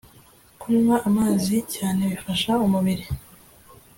Kunywa amazi cyane bifasha umubiri